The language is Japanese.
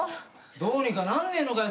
どうにかなんねえのかよ